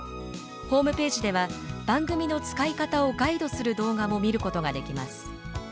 ホームページでは番組の使い方をガイドする動画も見ることができます。